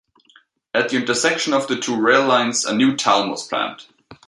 At the intersection of the two rail lines, a new town was planned.